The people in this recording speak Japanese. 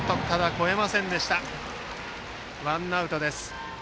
ワンアウトです。